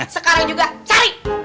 sekarang juga cari